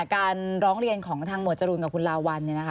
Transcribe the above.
การร้องเรียนของทางหมวดจรูนกับคุณลาวันเนี่ยนะคะ